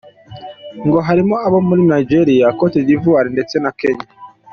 Ngo harimo abo muri Nigeria, Cote d’Ivoire ndetse na Kenya.